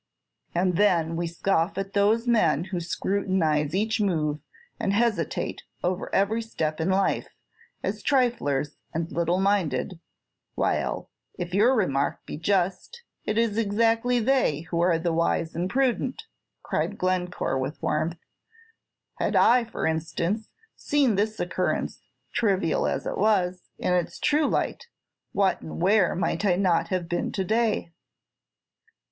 "And then we scoff at those men who scrutinize each move, and hesitate over every step in life, as triflers and little minded; while, if your remark be just, it is exactly they who are the wise and prudent," cried Glencore, with warmth. "Had I, for instance, seen this occurrence, trivial as it was, in its true light, what and where might I not have been to day?"